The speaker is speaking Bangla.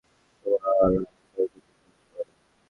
তোমরা এক দরজা দিয়ে প্রবেশ করো না।